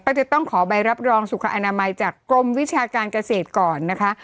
ก็จะต้องขอใบรับรองสุขอนามัยจากกรมวิชาการเกษตรก่อนนะคะ